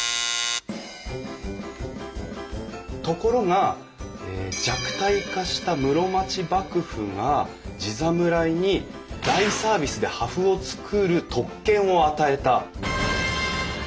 ところが弱体化した室町幕府が地侍に大サービスで破風を作る特権を与えた。